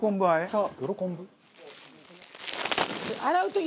そう。